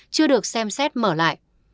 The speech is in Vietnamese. chưa được xem xét mở lại